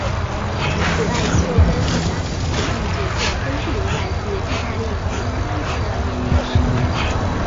此外所有跟米拉兹有关的角色都是由来自义大利与西班牙的演员饰演。